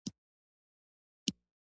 احمد ټول کار ترسره کړي په لکۍ کې یې پرېږدي.